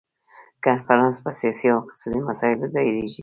کنفرانس په سیاسي او اقتصادي مسایلو دایریږي.